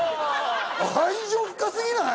愛情深すぎない？